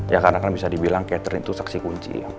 ya karena kan bisa dibilang catherine itu saksi kunci